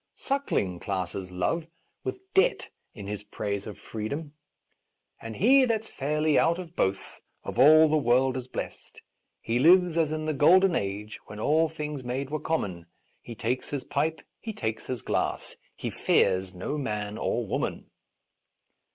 Suckling classes love with debt in his praise of freedom. " And he that's fairly out of both Of all the world is blest. He lives as in the golden age, When all things made were common; He takes his pipe, he takes his glass, He fears no man or woman."